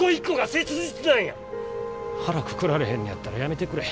腹くくられへんのやったら辞めてくれ。